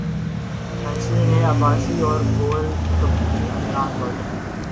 حسینی نے عباسی اور goalkeeper Imran but